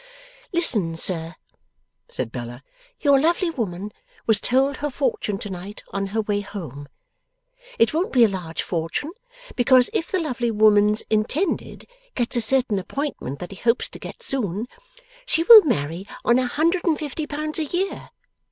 'Listen, sir,' said Bella. 'Your lovely woman was told her fortune to night on her way home. It won't be a large fortune, because if the lovely woman's Intended gets a certain appointment that he hopes to get soon, she will marry on a hundred and fifty pounds a year.